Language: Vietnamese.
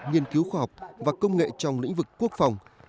nghiên cứu khoa học và công nghệ trong lĩnh vực quốc phòng